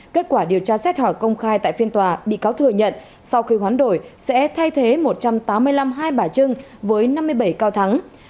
kết quả điều tra xét hỏi công khai tại phiên tòa bị cáo thừa nhận sau khi khoán đổi sẽ thay thế một trăm tám mươi năm hai bà trưng